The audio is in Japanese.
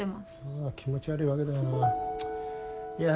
ああ気持ち悪いわけだよないや